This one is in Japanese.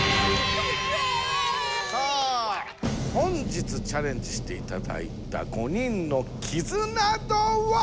本日チャレンジしていただいた５人のキズナ度は？